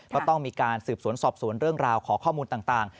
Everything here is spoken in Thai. ก็ต้องมีการสืบสวนสอบสวนเรื่องราวขอข้อมูลต่าง